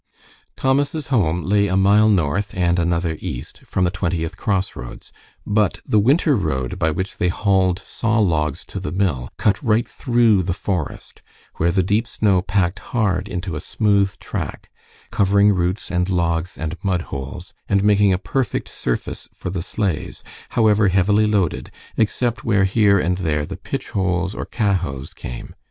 Thomas' home lay a mile north and another east from the Twentieth cross roads, but the winter road by which they hauled saw logs to the mill, cut right through the forest, where the deep snow packed hard into a smooth track, covering roots and logs and mud holes, and making a perfect surface for the sleighs, however heavily loaded, except where here and there the pitch holes or cahots came.